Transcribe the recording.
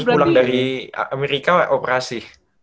pulang dari amerika operasi